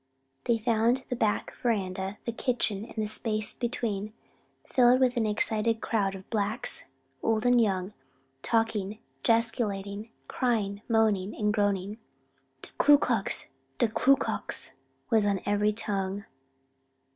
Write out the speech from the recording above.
They found the back veranda, the kitchen, and the space between, filled with an excited crowd of blacks, old and young, talking, gesticulating, crying, moaning and groaning. "De Ku Klux, de Ku Klux!" was on every tongue.